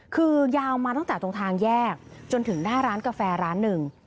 คือยาวมาตั้งแต่ตรงทางแยกจนถึงหน้าร้านกาแฟร้านหนึ่ง